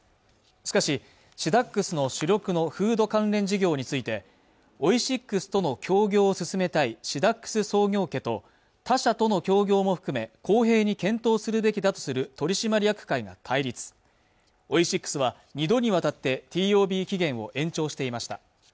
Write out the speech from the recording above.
しかしシダックスの主力のフード関連事業についてオイシックスとの協業を進めたいシダックス創業家と他社との協業も含め公平に検討するべきだとする取締役会が対立オイシックスは２度にわたってＴＯＢ期限を延長していました